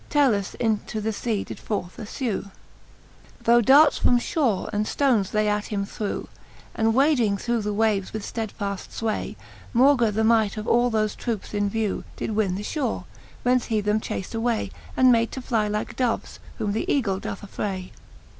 Talus into the lea did forth iffew, Though darts from fhore and ftones they at him threw; And wading through the waves with ftedfaft fway, Maugre the might of all thole troupes in vew, Did win the fhore, whence he them chaft away, And made to ^y^ like doves, whom th' eagle doth affray.